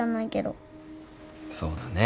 そうだね。